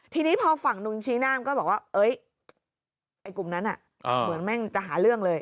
ทีนี้พอฝั่งนู้นชี้หน้ามันก็บอกว่าไอ้กลุ่มนั้นเหมือนแม่งจะหาเรื่องเลย